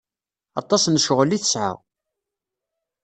Aṭas n ccɣel i tesɛa.